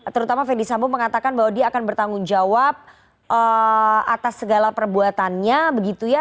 terutama verdi sambo mengatakan bahwa dia akan bertanggung jawab atas segala perbuatannya